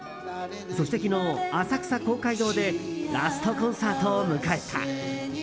そして昨日、浅草公会堂でラストコンサートを迎えた。